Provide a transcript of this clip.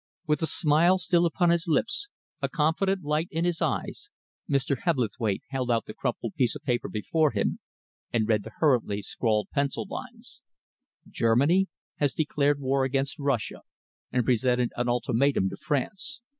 With the smile still upon his lips, a confident light in his eyes, Mr. Hebblethwaite held out the crumpled piece of paper before him and read the hurriedly scrawled pencil lines: "_Germany has declared war against Russia and presented an ultimatum to France.